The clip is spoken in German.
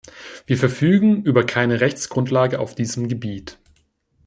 Wir verfügen über keine Rechtsgrundlage auf diesem Gebiet.